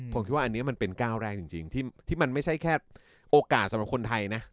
ผมคิดว่าอันนี้มันเป็นก้าวแรกจริงที่มันไม่ใช่แค่โอกาสสำหรับคนไทยนะ